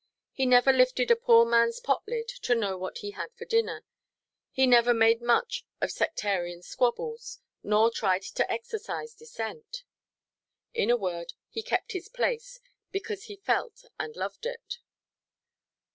He never lifted a poor manʼs pot–lid to know what he had for dinner; he never made much of sectarian squabbles, nor tried to exorcise dissent. In a word, he kept his place, because he felt and loved it.